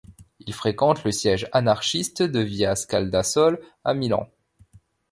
Il fréquente le siège anarchiste de via Scaldasole à Milan.